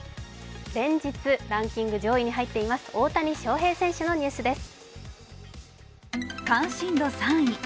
連日ランキング上位に入っています、大谷翔平選手のニュースです。